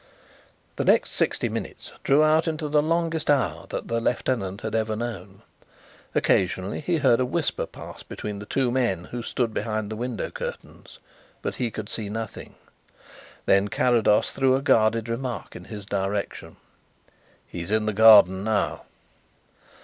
The next sixty minutes drew out into the longest hour that the lieutenant had ever known. Occasionally he heard a whisper pass between the two men who stood behind the window curtains, but he could see nothing. Then Carrados threw a guarded remark in his direction. "He is in the garden now."